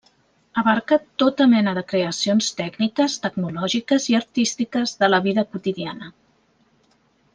Abarca tota mena de creacions tècniques, tecnològiques i artístiques de la vida quotidiana.